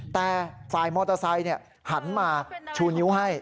แต่ฝ่ายมอเตอร์ไซค์หันมาชูนิ้วให้